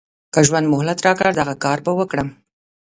که ژوند مهلت راکړ دغه کار به وکړم.